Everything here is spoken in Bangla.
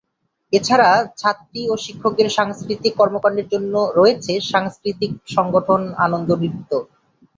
এছাড়া ছাত্রী ও শিক্ষকদের সাংস্কৃতিক কর্মকাণ্ডের জন্য রয়েছে সাংস্কৃতিক সংগঠন আনন্দ নৃত্য।